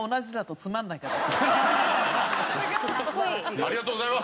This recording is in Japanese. ありがとうございます。